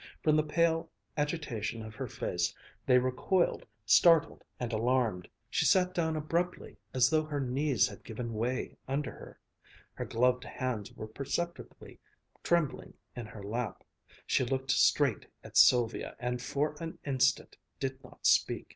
From the pale agitation of her face they recoiled, startled and alarmed. She sat down abruptly as though her knees had given way under her. Her gloved hands were perceptibly trembling in her lap. She looked straight at Sylvia, and for an instant did not speak.